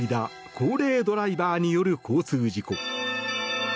高齢ドライバーによる交通事故。